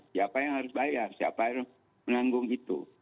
siapa yang harus bayar siapa yang menanggung itu